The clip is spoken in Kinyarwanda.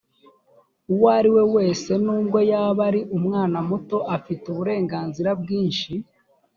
uwo ari we wese n ubwo yaba ari umwana muto afite uburenganzira bwinshi